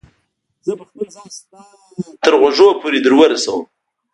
زه به خپل ځان ستا تر غوږو پورې در ورسوم.